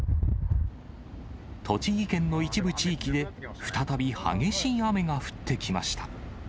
栃木県の一部地域で、再び激しい雨が降ってきました。